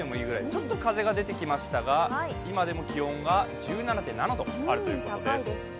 ちょっと風邪が出てきましたが今でも、気温が１７．７度あるということです。